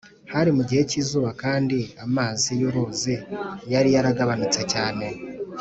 Hari mu gihe cy izuba kandi amazi y uruzi yari yaragabanutse cyane